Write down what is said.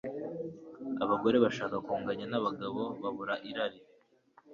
Abagore bashaka kunganya nabagabo babura irari